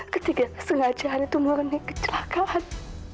ketika sengajaan itu menurunkan kecelakaan